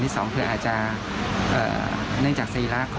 เด็กก็ยังคงหนีได้